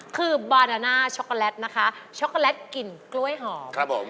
คือบาดาน่าช็อกโกแลตนะคะช็อกโกแลตกลิ่นกล้วยหอมครับผม